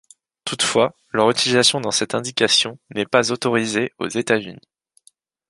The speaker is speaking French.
Toutefois, leur utilisation dans cette indication n'est pas autorisée aux États-Unis.